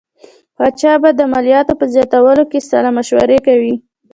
پاچا به د مالیاتو په زیاتولو کې سلا مشورې کوي.